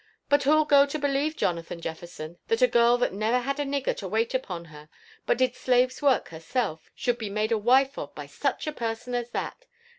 But who'll go to believe, Jonathan Jefferson, that a girl what never had a nigger to wait upon her, but did slave's work herself, should be made a wife of by such a person as that?